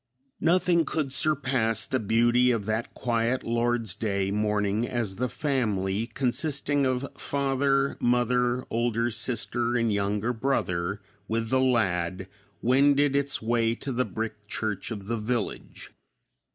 Nothing could surpass the beauty of that quiet Lord's Day morning as the family, consisting of father, mother, older sister and younger brother, with the lad, wended its way to the brick church of the village.